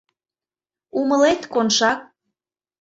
— Умылет, Коншак...